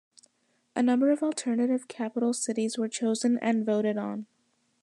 A number of alternative capital cities were chosen and voted on.